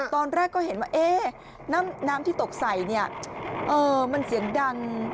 ตอนแรกก็เห็นว่าน้ำที่ตกใส่เนี่ยมันเสียงดัง